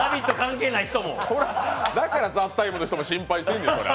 だから、「ＴＨＥＴＩＭＥ，」の人も心配してんねん。